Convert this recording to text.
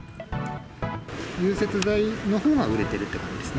融雪剤のほうが売れているって感じですね。